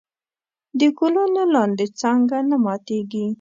د ګلونو لاندې څانګه نه ماتېږي.